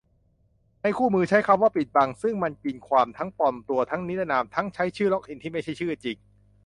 ในคู่มือใช้คำว่า "ปิดบัง" ซึ่งมันกินความ ทั้งปลอมตัว ทั้งนิรนาม ทั้งใช้ชื่อล็อกอินที่ไม่ใช่ชื่อจริง